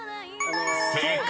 ［正解。